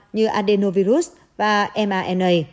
như adenovirus và mrna